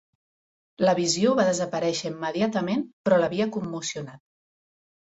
La visió va desaparèixer immediatament, però l'havia commocionat.